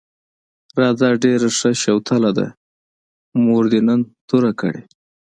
راځه ډېره ښه شوتله ده، مور دې نن توره کړې.